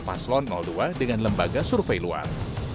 paslon dua dengan lembaga survei luar